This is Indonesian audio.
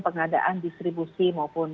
pengadaan distribusi maupun